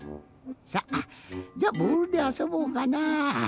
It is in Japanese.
さあじゃボールであそぼうかなあ。